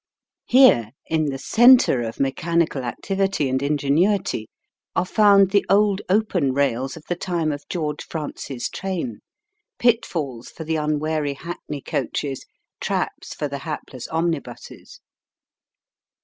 Here, in the centre of mechanical activity and ingenuity, are found the old open rails of the time of George Francis Train, pitfalls for the unwary hackney coaches, traps for the hapless omnibuses.